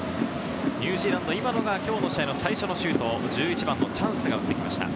ニュージーランド、最初のシュート、１１番・チャンスが打ってきました。